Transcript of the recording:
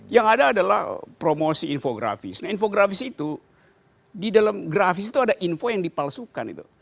yang ada adalah promosi infografis nah infografis itu di dalam grafis itu ada info yang dipalsukan itu